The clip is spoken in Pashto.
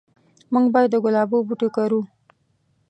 موږ به د ګلابو بوټي کرو